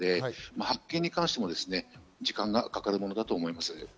発見に関しても時間がかかるものだと思われます。